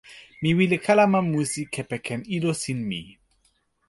mi wile kalama musi kepeken ilo sin mi.